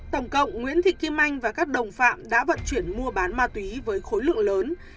tổng cộng nguyễn thị kim anh và các đồng phạm đã vận chuyển mua bán ma túy với khối lượng lớn